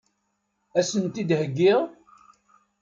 Ad sen-tent-id-heggiɣ?